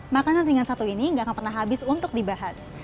makanan ringan satu ini nggak pernah habis untuk dibahas